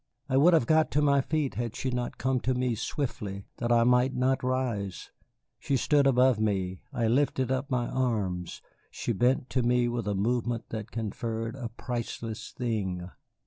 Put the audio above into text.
I would have got to my feet had she not come to me swiftly, that I might not rise. She stood above me, I lifted up my arms; she bent to me with a movement that conferred a priceless thing.